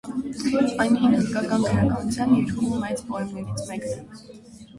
Այն հին հնդկական գրականության երկու մեծ պոեմներից մեկն է։